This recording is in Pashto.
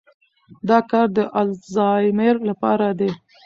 دا کار د الزایمر لپاره دی.